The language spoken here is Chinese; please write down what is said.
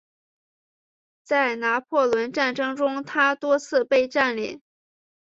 在拿破仑战争中它多次被占领。